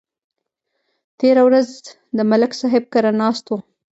تېره ورځ د ملک صاحب کره ناست وو